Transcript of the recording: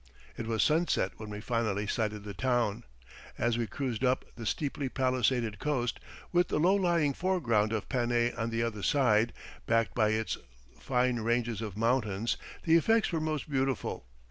It was sunset when we finally sighted the town. As we cruised up the steeply palisaded coast, with the low lying foreground of Panay on the other side, backed by its fine ranges of mountains, the effects were most beautiful.